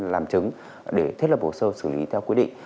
làm chứng để thiết lập hồ sơ xử lý theo quy định